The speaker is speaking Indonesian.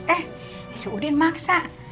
eh si udin maksa